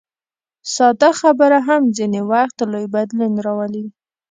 ساده خبره هم ځینې وخت لوی بدلون راولي.